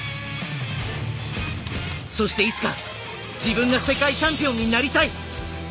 そしていつか自分が世界チャンピオンになりたい！